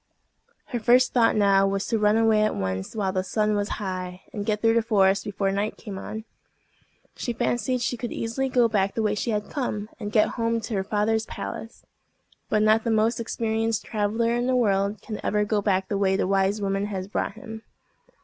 Her first thought now was to run away at once while the sun was high, and get through the forest before night came on. She fancied she could easily go back the way she had come, and get home to her father's palace. But not the most experienced traveller in the world can ever go back the way the wise woman has brought him.